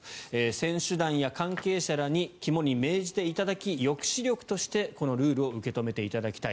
選手団や関係者らに肝に銘じていただき抑止力としてこのルールを受け止めていただきたい